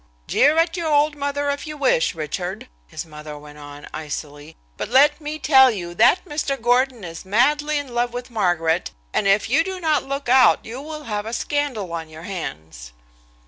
"Jeer at your old mother if you wish, Richard," his mother went on icily, "but let me tell you that Mr. Gordon is madly in love with Margaret and if you do not look out you will have a scandal on your hands."